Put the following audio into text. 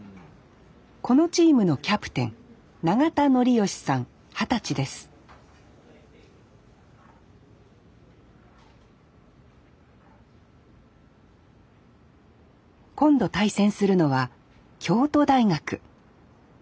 このチームのキャプテン今度対戦するのは京都大学。